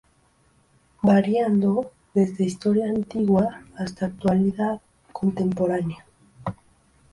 Variando desde historia antigua hasta actualidad contemporánea.